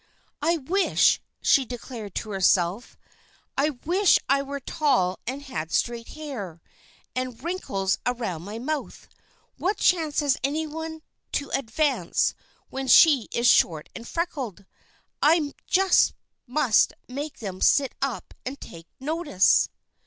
"I wish," she declared to herself, "I wish I were tall and had straight hair, and wrinkles around my mouth. What chance has anyone to advance when she is short and freckled? I just must make them sit up and take notice!"